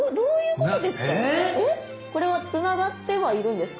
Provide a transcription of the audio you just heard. これはつながってはいるんですか？